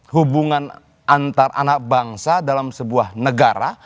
hubungan antar anak bangsa dalam sebuah negara